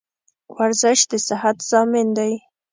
ورزش د صحت ضامن دی